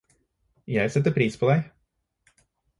Jeg setter pris på deg